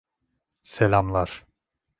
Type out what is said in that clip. Selamlar.